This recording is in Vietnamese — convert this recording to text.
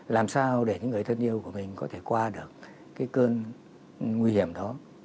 làm sao để những người thân yêu của mình có thể qua được cái cơn nguy hiểm đó